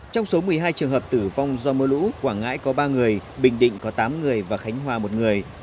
trong số một mươi hai trường hợp tử vong do mưa lũ quảng ngãi có ba người bình định có tám người và khánh hòa một người